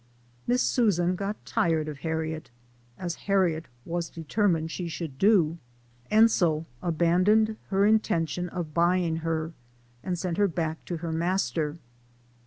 " Miss Susan " got tired of Harriet, as Harriet was determined she should do, and so abandoned her intention of buying her, and sent her back to her master.